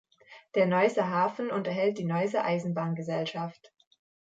Der Neusser Hafen unterhält die Neusser Eisenbahngesellschaft.